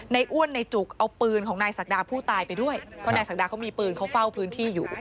อ้วนในจุกเอาปืนของนายศักดาผู้ตายไปด้วยเพราะนายศักดาเขามีปืนเขาเฝ้าพื้นที่อยู่